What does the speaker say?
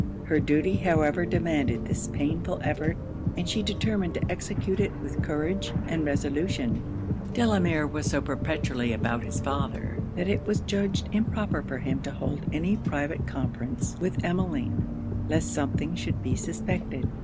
Her duty however demanded this painful effort; and she determined to execute it with courage and resolution. Delamere was so perpetually about his father, that it was judged improper for him to hold any private conference with Emmeline, lest something should be suspected.